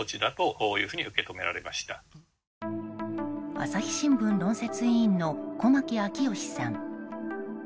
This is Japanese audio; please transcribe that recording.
朝日新聞論説委員の駒木明義さん。